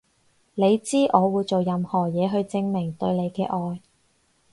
你知我會做任何嘢去證明對你嘅愛